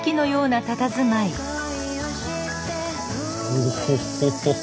オホホホ。